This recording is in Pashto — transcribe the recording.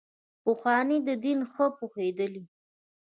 پخواني دین ښه پوهېدلي.